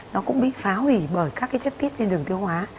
nó cũng bị phá hủy bởi các cái chất tiết trên đường tiêu hóa